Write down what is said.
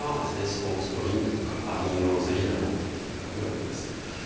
スポーツドリンクとか飲用のゼリーなどをとっていただくようになります。